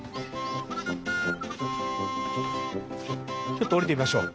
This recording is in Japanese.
ちょっと下りてみましょう。